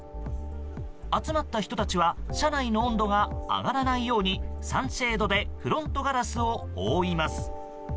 集まった人たちは車内の温度が上がらないようにサンシェードでフロントガラスを覆います。